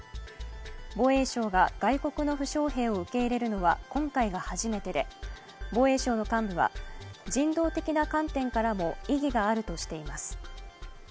防衛省が外国の負傷兵を受け入れるのは今回が初めてで防衛省の幹部は人道的な観点からも意義があるとしています。